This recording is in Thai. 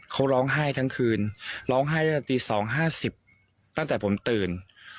เขาร้องไห้ทั้งคืนร้องไห้ตั้งแต่ตี๒๕๐ตั้งแต่ผมตื่น